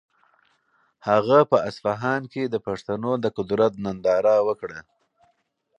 هغه په اصفهان کې د پښتنو د قدرت ننداره وکړه.